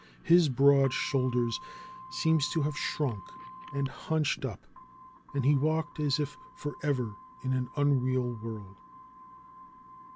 His broad shoulders seemed to have shrunk and hunched up, and he walked as if forever in an unreal world.